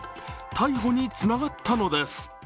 逮捕につながったのです。